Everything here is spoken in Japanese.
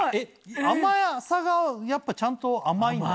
甘さがやっぱちゃんと甘いんだ。